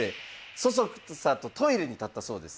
そそくさとトイレに立ったそうです。